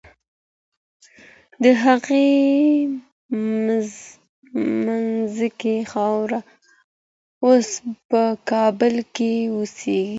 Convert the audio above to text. د دغې مځکي خاوند اوس په کابل کي اوسي.